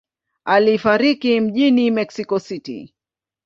Alifariki mjini Mexico City.